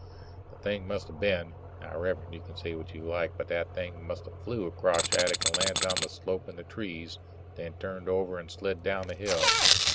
The thing must have been now, Rev'rend, you can say what you like but that thing must have flew across Shattuck and landed on the slope in the trees, then turned over and slid down the hill.